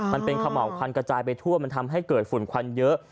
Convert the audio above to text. มันเป็นเขม่าวควันกระจายไปทั่วมันทำให้เกิดฝุ่นควันเยอะ